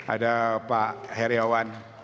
ada pak heriawan